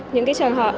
những trường hợp